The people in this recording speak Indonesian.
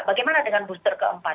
bagaimana dengan booster keempat